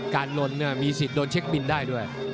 การล้นเนี่ยมีสิทธิ์โดนเช็คปินได้ด้วย